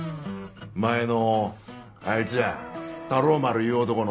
前のあいつや太郎丸いう男の次の。